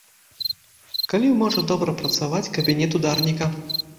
Калі можа добра працаваць кабінет ударніка?